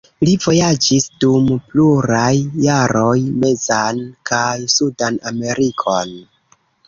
Li vojaĝis dum pluraj jaroj mezan kaj sudan Amerikon.